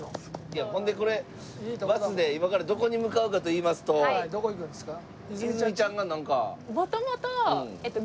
いやほんでこれバスで今からどこに向かうかといいますと泉ちゃんがなんか。